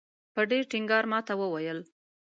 په ډېر ټینګار ماته وویل.